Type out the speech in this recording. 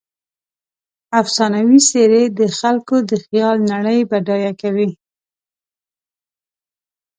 افسانوي څیرې د خلکو د خیال نړۍ بډایه کوي.